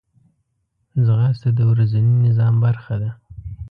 ځغاسته د ورځني نظام برخه ده